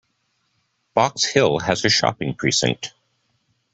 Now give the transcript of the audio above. Box Hill has a shopping precinct.